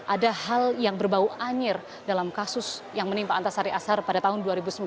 ada hal yang berbau anjir dalam kasus yang menimpa antasari asar pada tahun dua ribu sembilan